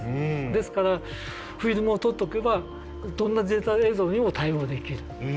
ですからフィルムを取っとけばどんなデータ映像にも対応できる。